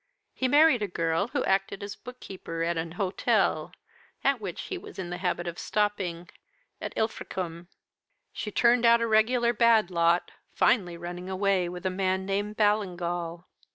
He married a girl who acted as book keeper at an hotel, at which he was in the habit of stopping, at Ilfracombe. She turned out a regular bad lot finally running away with a man named Ballingall.'